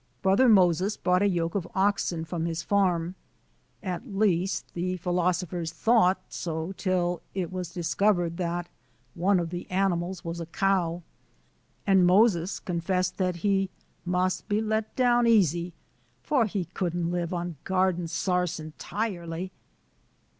Brother Moses brought a yoke of oxen from his farm, — at least, the philosophers thought so till ' it was discovered that one of the animals was a cow; and Moses confessed that "he '*must be let down easy, for he could n't live on garden sarse entirely."